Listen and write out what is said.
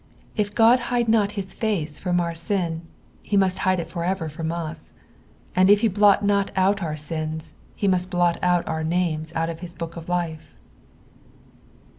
If Qod hide not his face from our sin, he must hide it forever from us; and if he blot not out uur sins, he must blot our names out of his book of life.